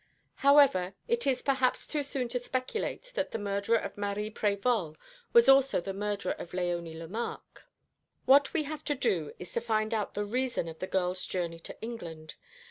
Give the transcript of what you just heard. However, it is perhaps too soon to speculate that the murderer of Marie Prévol was also the murderer of Léonie Lemarque. What we have to do is to find out the reason of the girl's journey to England.